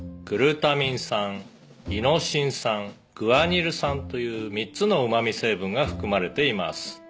「グルタミン酸イノシン酸グアニル酸という３つのうま味成分が含まれています」